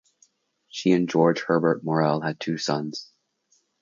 She and George Herbert Morrell had two sons.